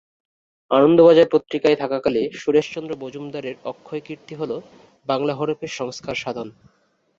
আনন্দবাজার পত্রিকায় থাকাকালে সুরেশচন্দ্র মজুমদারের অক্ষয় কীর্তি হল বাংলা হরফের সংস্কার সাধন।